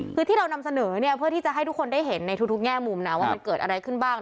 คือที่เรานำเสนอเนี่ยเพื่อที่จะให้ทุกคนได้เห็นในทุกแง่มุมนะว่ามันเกิดอะไรขึ้นบ้าง